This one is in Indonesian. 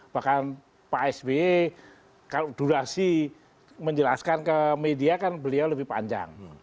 bahkan pak sby kalau durasi menjelaskan ke media kan beliau lebih panjang